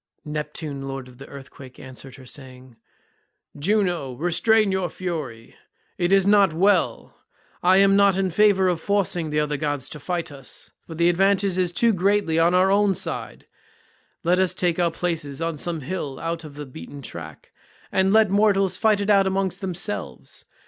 Neptune lord of the earthquake answered her saying, "Juno, restrain your fury; it is not well; I am not in favour of forcing the other gods to fight us, for the advantage is too greatly on our own side; let us take our places on some hill out of the beaten track, and let mortals fight it out among themselves.